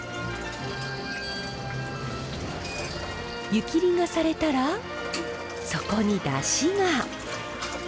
湯切りがされたらそこにだしが。